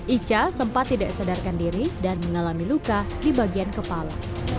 ica sempat tidak sadarkan diri dan mengalami luka di bagian kepala